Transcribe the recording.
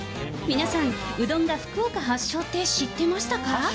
皆さん、うどんが福岡発祥って知ってましたか？